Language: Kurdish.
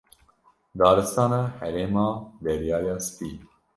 Daristana herêma Deryaya Spî.